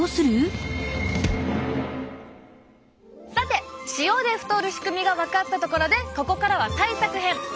さて塩で太る仕組みが分かったところでここからは対策編！